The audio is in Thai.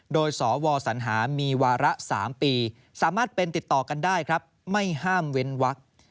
โดยสวสัญหามีวาระ๓ปีสามารถเป็นติดต่อกันได้ครับไม่ห้ามเว้นวัก